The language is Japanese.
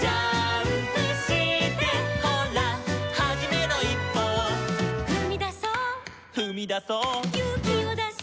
「ほらはじめのいっぽを」「ふみだそう」「ふみだそう」「ゆうきをだして」